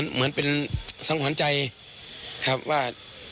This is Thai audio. เหมือนเป็นทรักษาสัมพันธุ์ใจครับว่า